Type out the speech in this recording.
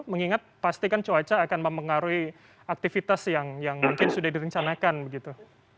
mengingat pastikan cuaca akan mempengaruhi aktivitas yang mungkin sudah direncanakan begitu